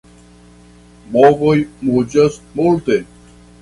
Bovoj muĝas multe.